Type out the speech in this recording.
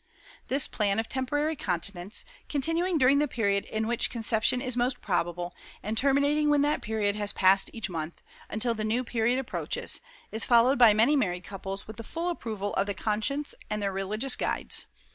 This plan of temporary continence, continuing during the period in which conception is most probable, and terminating when that period has passed each month, until the new period approaches, is followed by many married couples with the full approval of the conscience and their religious guides.